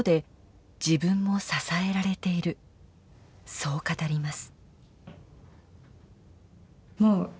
そう語ります。